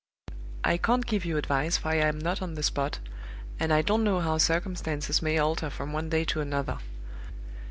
I can't give you advice, for I am not on the spot, and I don't know how circumstances may alter from one day to another.